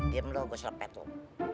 diam loh gue sempet loh